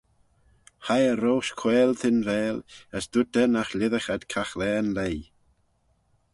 Hie eh roish quaiyl Tinvaal as dooyrt eh nagh lhisagh ad caghlaa yn leigh.